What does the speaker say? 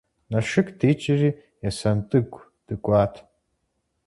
Налшык дикӏри Есэнтӏыгу дыкӏуат.